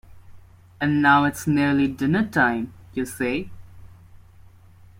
And now it's nearly dinner-time, you say?